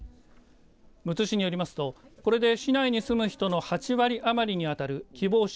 むつ市によりますと、これで市内に住む人の８割余りにあたる希望者